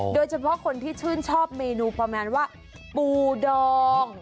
โดยเฉพาะคนที่ชื่นชอบเมนูประมาณว่าปูดอง